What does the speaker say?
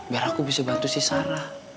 biar aku bisa bantu si sarah